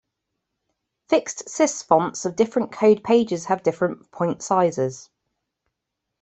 Fixedsys fonts of different code pages have different point sizes.